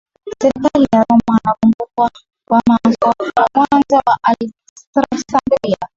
serikali ya Roma Anakumbukwa kama Askofu wa kwanza wa Aleksandria